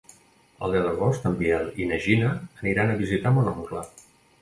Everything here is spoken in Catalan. El deu d'agost en Biel i na Gina aniran a visitar mon oncle.